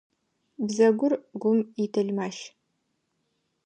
Бзэгур гум итэлмащ.